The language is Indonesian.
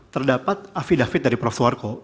terdapat afidafit dari prof suarko